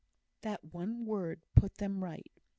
That one word put them right.